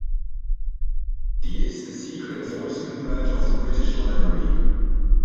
The is the secret enforcement branch of the British Library.